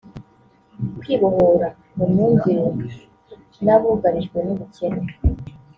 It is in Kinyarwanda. kwibohora mu myumvire n’abugarijwe n’ubukene”